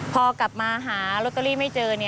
พอกลับมาหาลอตเตอรี่ไม่เจอ